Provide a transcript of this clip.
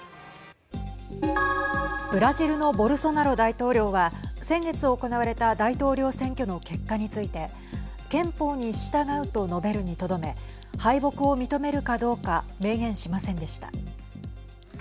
ブラジルのボルソナロ大統領は先月行われた大統領選挙の結果について憲法に従うと述べるにとどめ敗北を認めるかどうか明言しませんでした。